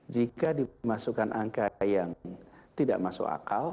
jika dimasukkan angka yang tidak masuk akal